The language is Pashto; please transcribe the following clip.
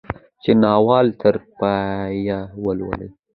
چې ناول تر پايه ولولي.